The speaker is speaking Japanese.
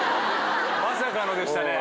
まさかのでしたね。